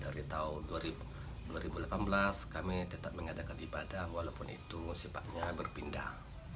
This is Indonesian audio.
dari tahun dua ribu delapan belas kami tetap mengadakan ibadah walaupun itu sifatnya berpindah